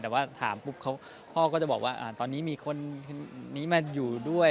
แต่ว่าถามปุ๊บพ่อก็จะบอกว่าตอนนี้มีคนนี้มาอยู่ด้วย